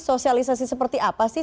sosialisasi seperti apa sih